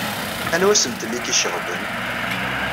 Anwa asentel i k-iceɣben?